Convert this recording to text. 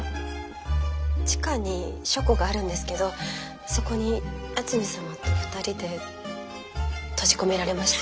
地下に書庫があるんですけどそこに八海サマと二人で閉じ込められました。